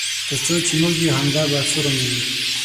تر څو چې موږ یو همدا به فورم وي.